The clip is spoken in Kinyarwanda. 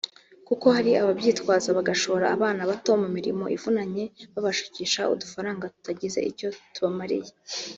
kuko hari ababyitwaza bagashora abana bato mu mirimo ivunanye babashukisha udufaranga tudagize icyo tubamariye